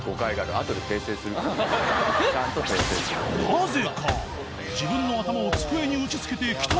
［なぜか］